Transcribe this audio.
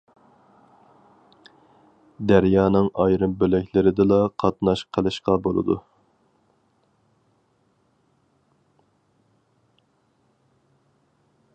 دەريانىڭ ئايرىم بۆلەكلىرىدىلا قاتناش قىلىشقا بولىدۇ.